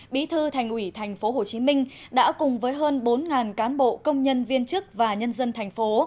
bí thư thành ủy tp hcm đã cùng với hơn bốn cán bộ công nhân viên chức và nhân dân thành phố